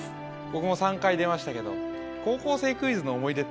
僕も３回出ましたけど。